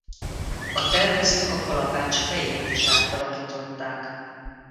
A tervezők a kalapács fejét is átalakították.